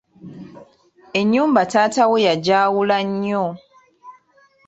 Ennyumba taata wo ya njawulo nnyo .